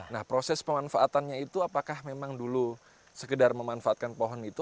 nah proses pemanfaatannya itu apakah memang dulu sekedar memanfaatkan pohon itu